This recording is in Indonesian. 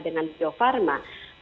dengan bio farma